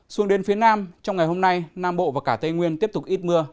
xuống đến phía nam trong ngày hôm nay nam bộ và cả tây nguyên tiếp tục ít mưa